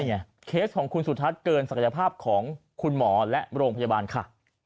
นี่ไงเคสของคุณสุทัศน์เกินศักยภาพของคุณหมอและโรงพยาบาลค่ะ